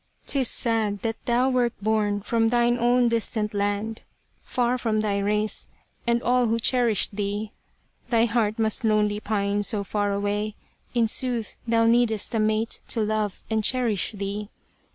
'Tis sad that thou wert borne from thine own distant land Far from thy race, and all who cherished thee ; Thy heart must lonely pine so far away, In sooth thou need'st a mate to love and cherish thee.